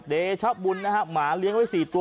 เดชบุลนะครับหมาเลี้ยงไว้สี่ตัว